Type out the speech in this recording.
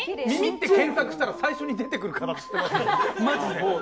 「耳」って検索したら最初に出てくる形してますよね。